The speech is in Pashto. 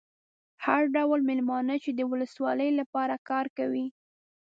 هر ډول مېلمانه چې د ولسوالۍ لپاره کار کوي.